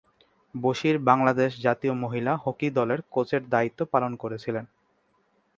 বশির বাংলাদেশ জাতীয় মহিলা হকি দলের কোচের দায়িত্ব পালন করেছিলেন।